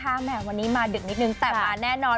แหมวันนี้มาดึกนิดนึงแต่มาแน่นอน